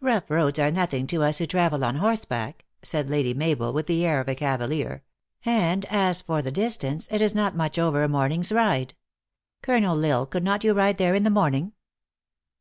"Hough roads are nothing to us who travel on horseback," Lady Mabel said, with the air of a cava lier ;" and as for the distance, it is not much over a morning s ride. Colonel L Isle, could not you ride there in a morning?"